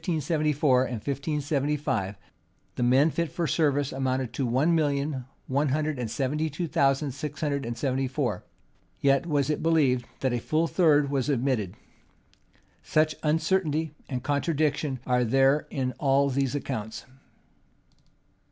Harrison says, that in the musters taken in the years 1574 and 1575, the men fit for service amounted to one million one hundred and seventy two thousand six hundred and seventy four; yet was it believed that a full third was omitted. Such uncertainty and contradiction are there in all these accounts.